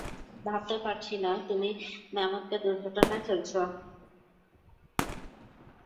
ভাবতে পারছি না তুমি ম্যামথকে দুর্ঘটনায় ফেলেছ।